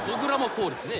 そうですね。